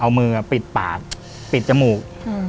เอามือปิดปากปิดจมูก